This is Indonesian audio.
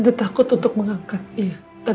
terlalu lama untuk memutuskan